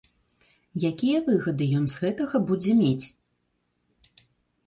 Якія выгады ён з гэтага будзе мець?